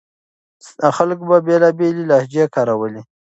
خلک به بېلابېلې لهجې کارولې.